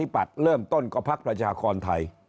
ที่ทิ้งประชาธิปัตธ์เริ่มต้นก็พักประชาคอนไทย